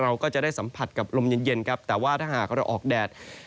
เราก็จะได้สัมผัสกับลมเย็นเย็นครับแต่ว่าถ้าหากเราออกแดด